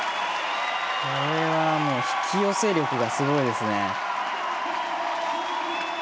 これはもう引き寄せ力がすごいですね。